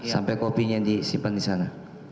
sampai kopinya disimpan disana